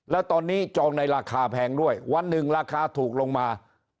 แล้วตอนนี้จองในราคาแพงด้วยวันหนึ่งราคาถูกลงมา